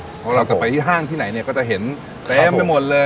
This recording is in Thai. เพราะเราจะไปที่ห้างที่ไหนเนี่ยก็จะเห็นเต็มไปหมดเลย